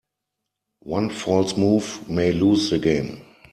One false move may lose the game.